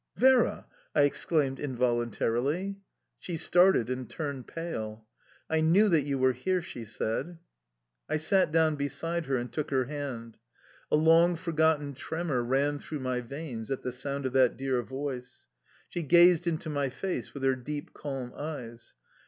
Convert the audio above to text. "Vera!" I exclaimed involuntarily. She started and turned pale. "I knew that you were here," she said. I sat down beside her and took her hand. A long forgotten tremor ran through my veins at the sound of that dear voice. She gazed into my face with her deep, calm eyes.